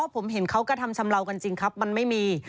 ผมเห็นเขากระทำชำเลากันจริงครับมันไม่มี